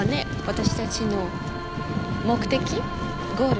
私たちの目的ゴール。